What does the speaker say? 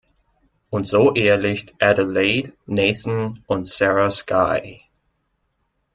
Und so ehelicht Adelaide Nathan und Sarah Sky.